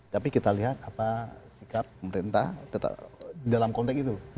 tapi kita lihat apa sikap pemerintah dalam konteks itu